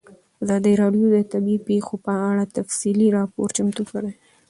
ازادي راډیو د طبیعي پېښې په اړه تفصیلي راپور چمتو کړی.